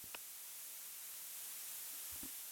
Augustine y en la Universidad de Notre Dame.